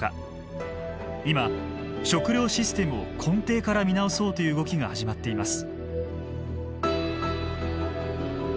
今食料システムを根底から見直そうという動きが始まっています。